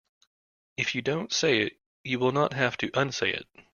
If you don't say it you will not have to unsay it.